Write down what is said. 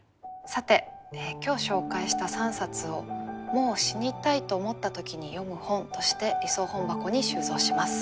さて今日紹介した３冊を「もう死にたいと思った時に読む本」として理想本箱に収蔵します。